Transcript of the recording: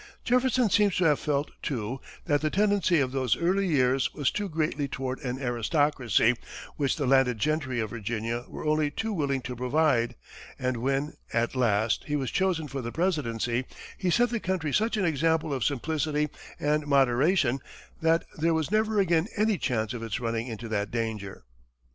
Jefferson seems to have felt, too, that the tendency of those early years was too greatly toward an aristocracy, which the landed gentry of Virginia were only too willing to provide, and when, at last, he was chosen for the presidency, he set the country such an example of simplicity and moderation that there was never again any chance of its running into that danger.